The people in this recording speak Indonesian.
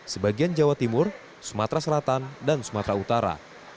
sebagian jawa timur sumatera selatan dan sumatera utara